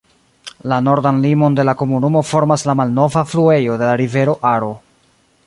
La nordan limon de la komunumo formas la malnova fluejo de la rivero Aro.